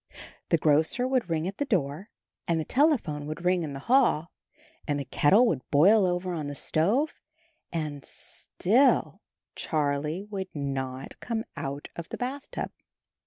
The grocer would ring at the door, and the telephone would ring in the hall, and the kettle would boil over on the stove, and still Charlie would not come out of the bathtub.